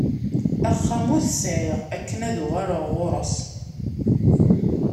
Axxam ur t-sεiɣ akken ad uɣaleɣ ɣur-s.